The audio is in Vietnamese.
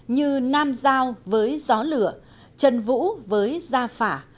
như nam giao với gió lửa chân vũ với gia phả